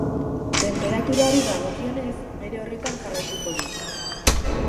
Tenperaturari dagokionez, bere horretan jarraituko du.